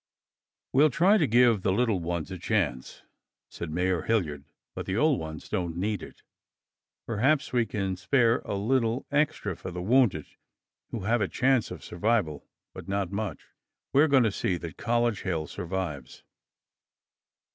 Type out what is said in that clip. "Well try to give the little ones a chance," said Mayor Hilliard, "but the old ones don't need it. Perhaps we can spare a little extra for the wounded who have a chance of survival, but not much. We're going to see that College Hill survives."